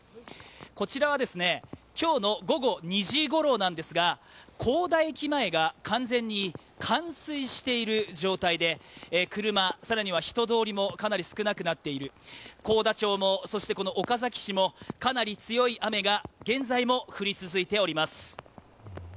こちらは今日の午後２時頃なんですが、幸田駅前が完全に冠水している状態で、車、更には人通りもかなり少なくなっている、幸田町も、岡崎市もかなり強い雨が現在も降り続いております。